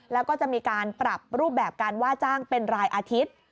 แล้วก็จะมีการปรับรูปแบบการว่าจ้างเป็นรายอาทิตย์